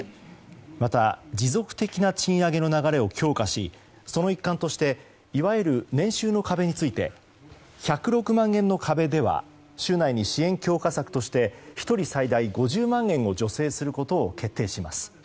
また持続的な賃上げの流れを強化しその一環としていわゆる年収の壁について１０６万年の壁では週内に支援強化策として１人最大５０万円を助成することを決定します。